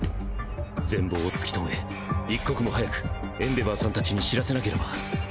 全貌を突き止め一刻も速くエンデヴァーさん達に報せなければ！